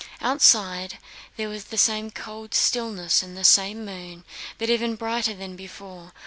Outside, there was the same cold stillness and the same moon, but even brighter than before.